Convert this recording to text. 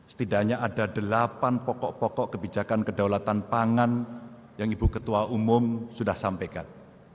setidaknya ada delapan pokok pokok kebijakan kedaulatan pangan yang ibu ketua umum sudah sampaikan